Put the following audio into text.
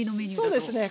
そうですね。